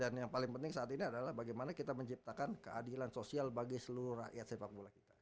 dan yang paling penting saat ini adalah bagaimana kita menciptakan keadilan sosial bagi seluruh rakyat sepak bola kita